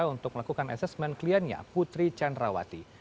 untuk melakukan asesmen kliennya putri candrawati